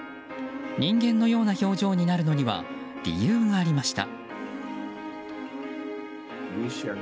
人間のような表情になるのには理由がありました。